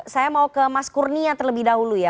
saya mau ke mas kurnia terlebih dahulu ya